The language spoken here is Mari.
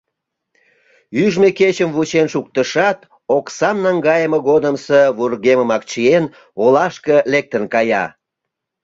Ӱжмӧ кечым вучен шуктышат, оксам наҥгайыме годымсо вургемымак чиен, олашке лектын кая.